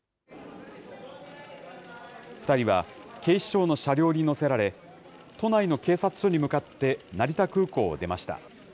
２人は警視庁の車両に乗せられ、都内の警察署に向かって成田空港を出ました。